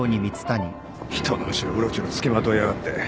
人の後ろうろちょろ付きまといやがって。